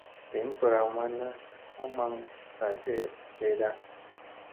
Iin ɓaraw manna ha maŋ saa ɗeeɗa.